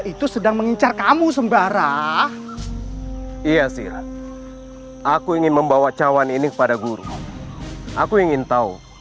itu sedang mengincar kamu sembara iya sih aku ingin membawa cawan ini kepada guru aku ingin tahu